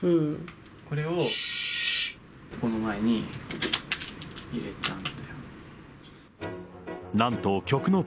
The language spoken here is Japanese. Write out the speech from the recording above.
これをこの前に入れたんだよ。